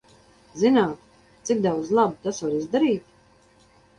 Zināt, cik daudz laba tas var izdarīt?